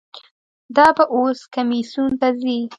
دا به اوس کمیسیون ته ځي.